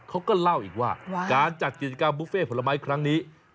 เขาก็เล่าอีกว่าการจัดกิจกรรมบุฟเฟ่ผลไม้ครั้งนี้